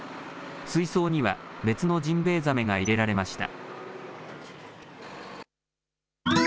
水槽には別のジンベイザメが入れられました。